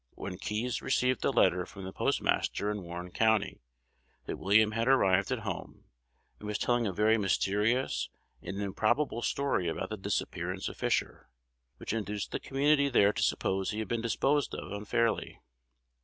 when Keys received a letter from the postmaster in Warren County, that William had arrived at home, and was telling a very mysterious and improbable story about the disappearance of Fisher, which induced the community there to suppose he had been disposed of unfairly.